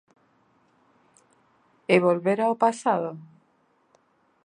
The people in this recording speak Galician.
¿É volver ao pasado?